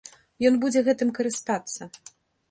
Ён будзе гэтым карыстацца.